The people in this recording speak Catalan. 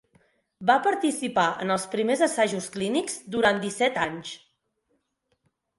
Va participar en els primers assajos clínics durant disset anys.